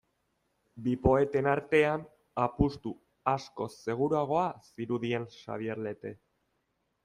Bi poeten artean, apustu askoz seguruagoa zirudien Xabier Lete.